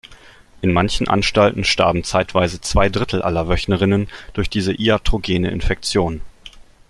In manchen Anstalten starben zeitweise zwei Drittel aller Wöchnerinnen durch diese iatrogene Infektion.